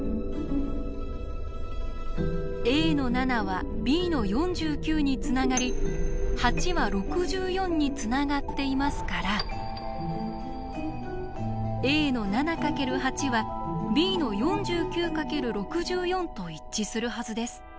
Ａの７はＢの４９につながり８は６４につながっていますからＡの７×８はＢの４９×６４と一致するはずです。